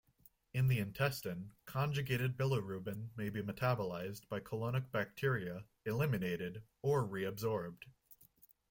In the intestine, conjugated bilirubin may be metabolized by colonic bacteria, eliminated, or reabsorbed.